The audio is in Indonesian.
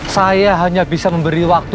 saya hanya bisa memberi waktu